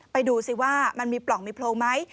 ดูสิว่ามันมีปล่องมีโพรงไหม